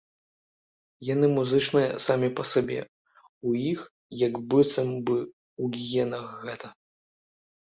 Яны музычныя самі па сабе, у іх як быццам бы ў генах гэта.